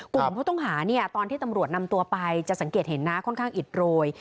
กลุ่มผู้ต้องหาเนี่ยตอนที่ตำรวจนำตัวไปจะสังเกตเห็นนะค่อนข้างอิดโรย